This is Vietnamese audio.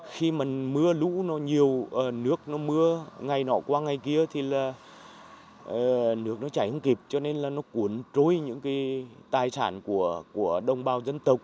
khi mưa lũ nhiều nước mưa ngày nọ qua ngày kia nước chảy không kịp cho nên cuốn trôi những tài sản của đồng bào dân tộc